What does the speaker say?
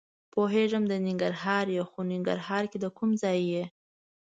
پوهېږم د ننګرهار یې؟ خو ننګرهار کې د کوم ځای یې؟